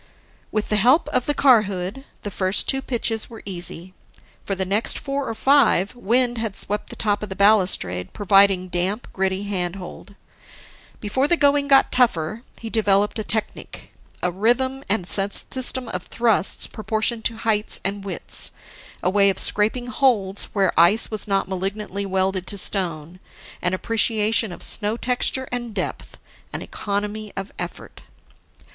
With the help of the car hood, the first two pitches were easy. For the next four or five, wind had swept the top of the balustrade, providing damp, gritty handhold. Before the going got tougher, he developed a technic, a rhythm and system of thrusts proportioned to heights and widths, a way of scraping holds where ice was not malignantly welded to stone, an appreciation of snow texture and depth, an economy of effort.